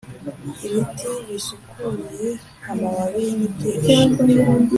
ibiti bisukuye amababi ni byinshi.